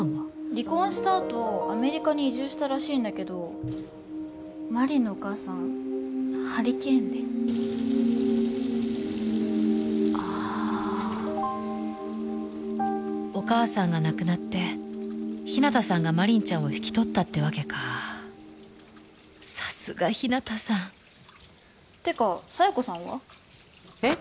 離婚したあとアメリカに移住したらしいんだけど真凛のお母さんハリケーンでああお母さんが亡くなって日向さんが真凛ちゃんを引き取ったってわけかさすが日向さんてか佐弥子さんは？えっ？